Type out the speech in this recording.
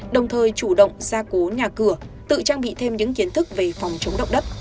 đồng thời chủ động gia cố nhà cửa tự trang bị thêm những kiến thức về phòng chống động đất